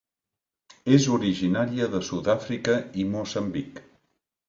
És originària de Sud-àfrica i Moçambic.